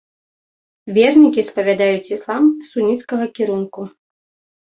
Вернікі спавядаюць іслам суніцкага кірунку.